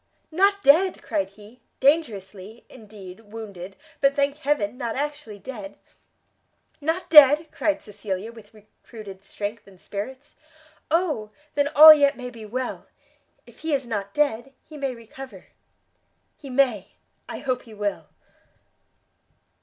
"Not dead," cried he; "dangerously, indeed, wounded, but thank heaven, not actually dead!" "Not dead?" cried Cecilia, with recruited strength and spirits, "Oh then all yet may be well! if he is not dead; he may recover!" "He may; I hope he will!"